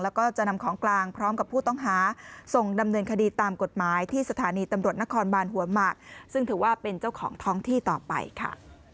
แล้วก็จะนำของกลางพร้อมกับผู้ต้องหาส่งดำเนินคดีตามกฎหมายที่สถานีตำรวจนครบานหัวหมากซึ่งถือว่าเป็นเจ้าของท้องที่ต่อไปค่ะ